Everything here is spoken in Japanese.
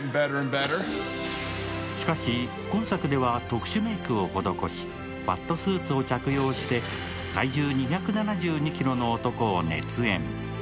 しかし今作では、特殊メイクを施し、ファットスーツを着用して体重２７２ｋｇの男を熱演。